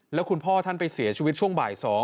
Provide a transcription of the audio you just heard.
แล้วคุณพ่อท่านไปเสียชีวิตช่วงบ่าย๒